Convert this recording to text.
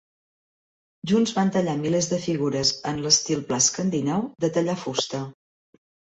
Junts van tallar milers de figures en l'estil pla escandinau de tallar fusta.